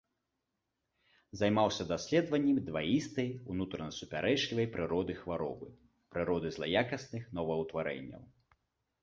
Займаўся даследаваннямі дваістай, унутрана супярэчлівай прыроды хваробы, прыроды злаякасных новаўтварэнняў.